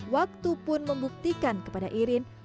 waktu pun membuktikan kepada irin